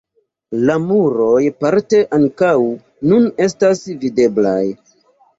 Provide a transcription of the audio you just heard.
La muroj parte ankaŭ nun estas videblaj.